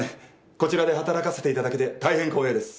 こちらで働かせていただけて大変光栄です。